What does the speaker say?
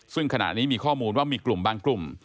ซึ่งขณะนี้มีข้อมูลว่ามีกลุ่มบางกลุ่ม